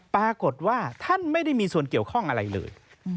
ปรากฏว่าท่านไม่ได้มีส่วนเกี่ยวข้องอะไรเลย